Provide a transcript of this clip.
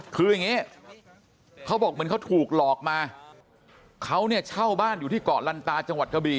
คืออย่างนี้เขาบอกเหมือนเขาถูกหลอกมาเขาเนี่ยเช่าบ้านอยู่ที่เกาะลันตาจังหวัดกะบี่